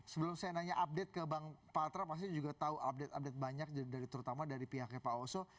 sebelum saya nanya update ke bang paltra pasti juga tahu update update banyak terutama dari pihaknya pak oso